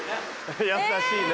優しいな。